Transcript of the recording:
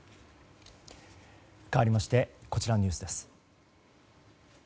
変わりましてこちらのニュースです。